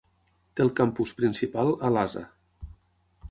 Té el campus principal a Lhasa.